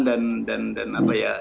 dan dan dan apa ya